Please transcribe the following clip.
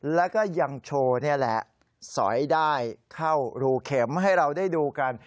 แล้วก็ยังโชว์นี่แหละสอยได้เข้ารูเข็มให้เราได้ดูกัน